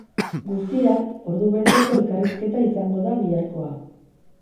Guztira, ordubeteko elkarrizketa izango da biharkoa.